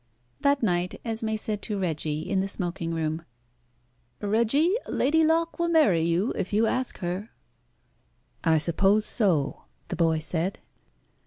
That night Esmé said to Reggie in the smoking room "Reggie, Lady Locke will marry you if you ask her." "I suppose so," the boy said.